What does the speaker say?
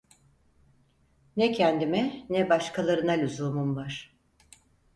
Ne kendime, ne başkalarına lüzumum var…